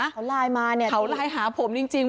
เขาไลน์มาเนี่ยเขาไลน์หาผมจริง